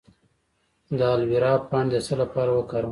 د الوویرا پاڼې د څه لپاره وکاروم؟